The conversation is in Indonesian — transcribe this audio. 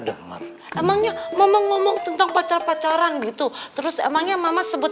sama banget emangnya mama ngomong tentang pacar pacaran gitu terus emangnya mama sebut